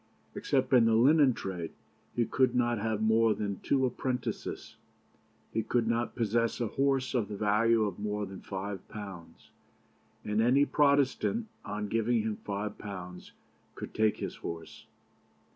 Except in the linen trade, he could not have more than two apprentices. He could not possess a horse of the value of more than five pounds, and any Protestant, on giving him five pounds, could take his horse.